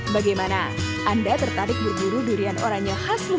bagaimana cara menggunakan durian oranye